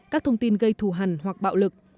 các thông tin gây thù hẳn hoặc bạo lực